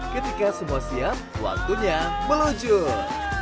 ketika semua siap waktunya meluncur